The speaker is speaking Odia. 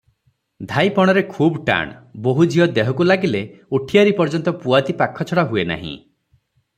ଧାଇପଣରେ ଖୁବ୍ ଟାଣ-ବୋହୂଝିଅ ଦେହକୁ ଲାଗିଲେ ଉଠିଆରି ପର୍ଯ୍ୟନ୍ତ ପୁଆତି ପାଖଛଡ଼ା ହୁଏନାହିଁ ।